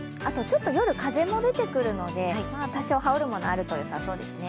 夜、風も出てくるので多少、羽織るものがあるとよさそうですね。